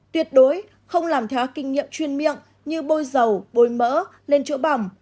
tuyệt đối không làm theo kinh nghiệm chuyên miệng như bôi dầu bôi mỡ lên chỗ bỏng